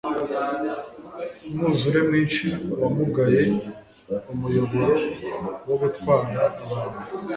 umwuzure mwinshi wamugaye umuyoboro wogutwara abantu